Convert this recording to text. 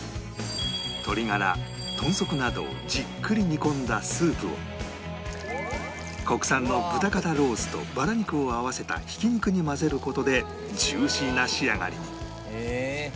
鶏ガラ豚足などをじっくり煮込んだスープを国産の豚肩ロースとバラ肉を合わせたひき肉に混ぜる事でジューシーな仕上がりに